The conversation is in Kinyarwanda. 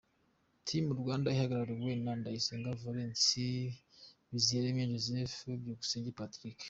Team Rwanda ihagarariwe na Ndayisenga Valens, Biziyaremye Joseph, Byukusenge Patrick.